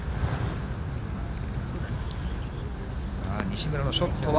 西村のショットは。